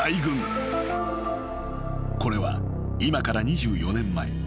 ［これは今から２４年前］